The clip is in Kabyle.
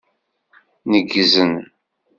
Neggzen.